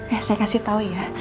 eh saya kasih tau ya